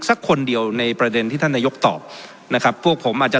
สักคนเดียวในประเด็นที่ท่านนายกตอบนะครับพวกผมอาจจะ